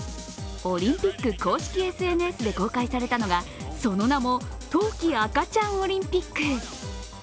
オリンピック公式ＳＮＳで公開されたのがその名も、冬季赤ちゃんオリンピック。